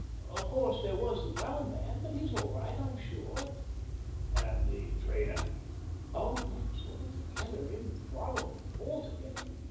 Of course there was the ground man, but he's all right, I'm sure." "And the trainer?" " Oh, that's altogether improbable — altogether.